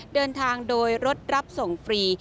เดินทางโดยรถรับส่งฟรี